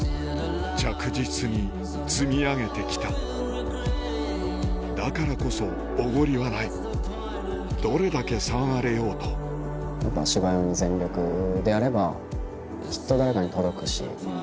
着実に積み上げて来ただからこそおごりはないどれだけ騒がれようと芝居を全力でやればきっと誰かに届くし。